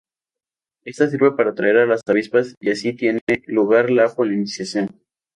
Esta sirve para atraer a las avispas y así tiene lugar la polinización.